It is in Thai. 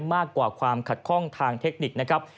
มากกว่าความขัดข้องทางเทคนิคนะครับ